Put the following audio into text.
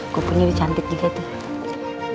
koponya ini cantik juga tuh